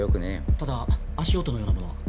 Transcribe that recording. ただ足音のようなものは。